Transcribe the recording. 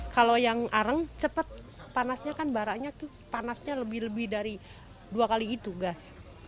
kalau yang arang cepat panasnya kan baraknya tuh panasnya lebih lebih dari dua kali itu gas